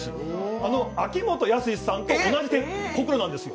あの秋元康さんと同じほくろなんですよ。